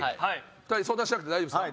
２人相談しなくて大丈夫ですか？